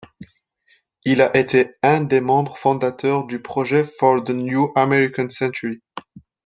Il a été un des membres fondateurs du Project for the New American Century.